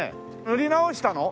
塗り直したの？